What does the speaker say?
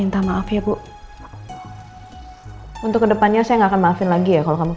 tapi jangan main handphone kalau lagi jaga anak anak